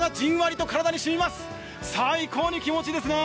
最高に気持ちいいですね。